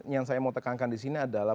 yang saya mau tekankan di sini adalah